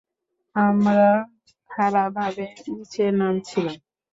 আমরা খাড়াভাবে নিচে নামছিলাম।